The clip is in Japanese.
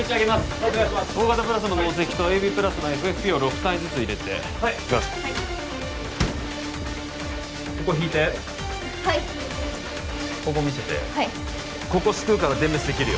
Ｏ型プラスの濃赤とＡＢプラスのＦＦＰを６単位ずつ入れてガーゼはいここ引いてはいここ見せてはいここすくうから電メスで切るよ